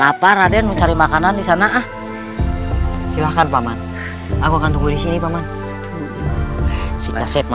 apa raden mencari makanan di sana ah silahkan paman aku akan tunggu di sini paman si kasetnya